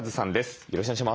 よろしくお願いします。